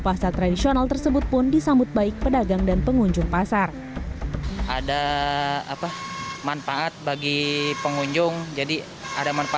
pasar tradisional dan juga untuk memiliki keuntungan untuk memiliki keuntungan untuk memiliki